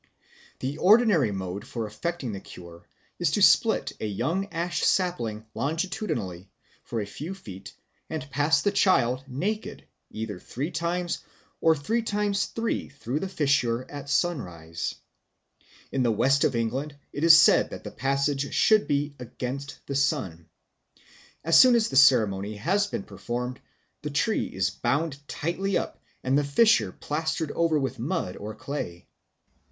The ordinary mode of effecting the cure is to split a young ash sapling longitudinally for a few feet and pass the child, naked, either three times or three times three through the fissure at sunrise. In the West of England it is said that the passage should be "against the sun." As soon as the ceremony has been performed, the tree is bound tightly up and the fissure plastered over with mud or clay.